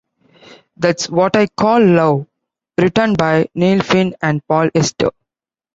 "That's What I Call Love" written by Neil Finn and Paul Hester.